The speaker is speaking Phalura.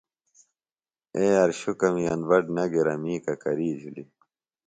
اے یار شُکم ین بٹ نہ گِرا می ککری جُھلیۡ۔